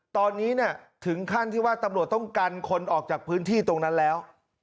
ตอนนี้ถึงขั้นที่ว่าตำรวจต้องกันคนออกจากพื้นที่ตรงนั้นแล้ว